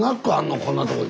こんなとこに。